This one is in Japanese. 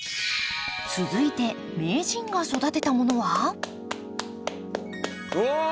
続いて名人が育てたものは？うわ！